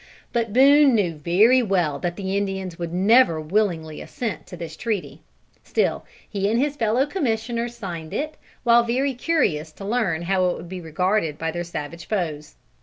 But Boone knew very well that the Indians would never willingly assent to this treaty. Still he and his fellow commissioners signed it while very curious to learn how it would be regarded by their savage foes.